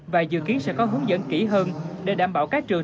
và hướng dẫn kỹ hơn để đảm bảo các trường